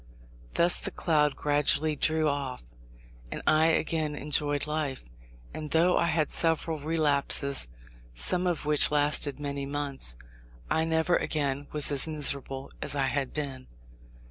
Thus the cloud gradually drew off, and I again enjoyed life; and though I had several relapses, some of which lasted many months, I never again was as miserable as I had been.